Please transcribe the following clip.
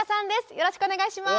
よろしくお願いします。